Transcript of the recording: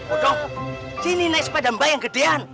udah sini naik sepeda mbak yang gedean